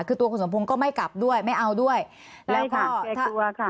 คือตัวคุณสมพงษ์ก็ไม่กลับด้วยไม่เอาด้วยใช่ค่ะเกลียดตัวค่ะ